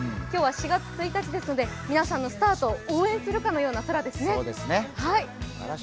今日は４月１日ですので皆さんのスタートを応援するような空ですね。